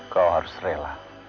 kau harus rela